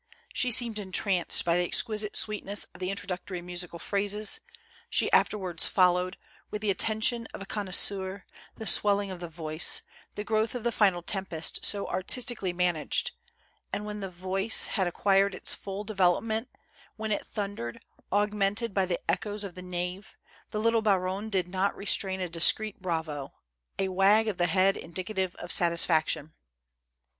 She seemed ( 293 ) 294 THE FASO; entranced by the exquisite sweetness of the introductory musical phrases ; she afterwards ibllowed, with the at tention of a connoisseur, the swelling of the voice, the growth of the final tempest, bo artistically managed ; and when the voice had acquired its full development, when it thundered, augmented by the echoes of the nave, the little baronne could not restrain a discreet bravo, a wag of the head indicative of satisfaction.